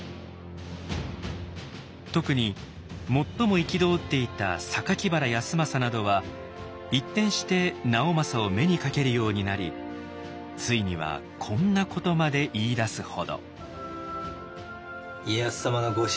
特に最も憤っていた原康政などは一転して直政を目にかけるようになりついにはこんなことまで言いだすほど。